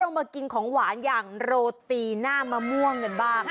มากินของหวานอย่างโรตีหน้ามะม่วงกันบ้าง